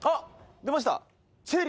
出ました。